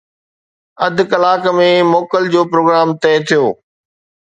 اڌ ڪلاڪ ۾ موڪل جو پروگرام طئي ٿيو